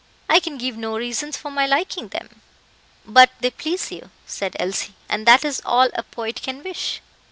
I can give no reason for my liking them." "But they please you," said Elsie; "and that is all a poet can wish."